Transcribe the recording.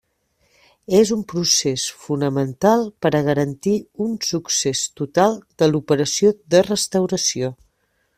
És un procés fonamental per a garantir un succés total de l'operació de restauració.